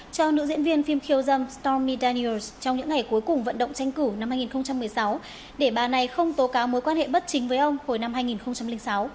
cho nữ diễn viên phim khiêu dâm stom midanions trong những ngày cuối cùng vận động tranh cử năm hai nghìn một mươi sáu để bà này không tố cáo mối quan hệ bất chính với ông hồi năm hai nghìn sáu